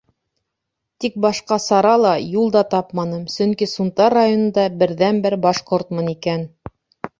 Тик башҡа сара ла, юл да тапманым, сөнки Сунтар районында берҙән-бер башҡортмон икән.